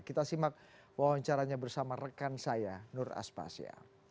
kita simak wawancaranya bersama rekan saya nur aspasya